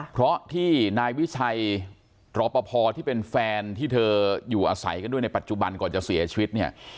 เพราะที่นายวิชัยรอปภที่เป็นแฟนที่เธออยู่อาศัยกันด้วยในปัจจุบันก่อนจะเสียชีวิตเนี่ย